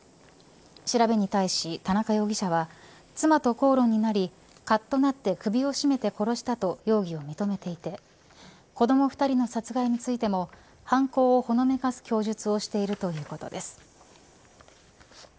調べに対し、田中容疑者は妻と口論になりかっとなって首を絞めて殺したと容疑を認めていて子ども２人の殺害についても犯行をほのめかす供述をしているということです。